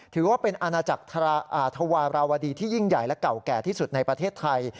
ถือว่าเป็นอาณาจักรธวาราวดีที่ยิ่งใหญ่และเก่าแก่ที่สุดในประเทศไทย